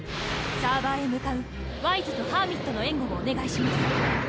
サーバーへ向かうワイズとハーミットの援護をお願いします。